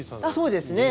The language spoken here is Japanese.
そうですね。